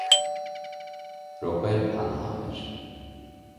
Րոպեն անհամ էր: